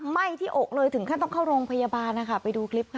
ไหม้ที่อกเลยถึงขั้นต้องเข้าโรงพยาบาลนะคะไปดูคลิปค่ะ